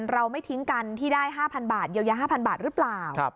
เราไม่ทิ้งกันที่ได้๕๐๐บาทเยียวยา๕๐๐บาทหรือเปล่า